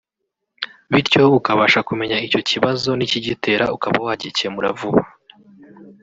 bityo ukabasha kumenya icyo kibazo n’ikigitera ukaba wagikemura vuba